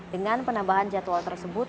dengan penambahan jadwal tersebut